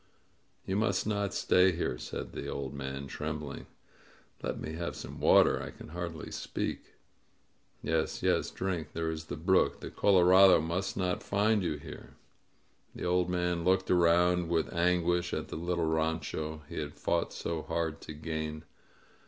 "You must not stay here," said the old man, trem bling. Let me have some water — ^I can hardly speak." Yes, yes, drink. There is the brook. The colora dos must not find you here." The old man looked around with anguish at the little rancho he had fought so hard to gain.